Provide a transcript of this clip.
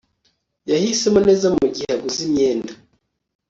Yahisemo neza mugihe aguze imyenda